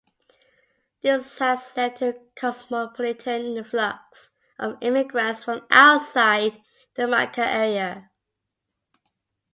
This has led to a cosmopolitan influx of immigrants from outside the Maka area.